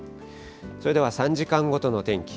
それでは３時間ごとの天気。